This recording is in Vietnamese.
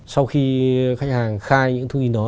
sau khi khách hàng khai những thư hình đó